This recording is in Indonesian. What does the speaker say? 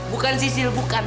bukan sisil bukan